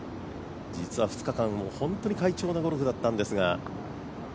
実は２日間、本当に快調なゴルフだったんですが。